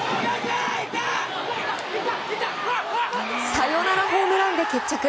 サヨナラホームランで決着。